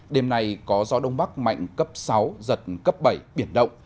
đêm nay có gió đông bắc mạnh cấp sáu giật cấp bảy biển động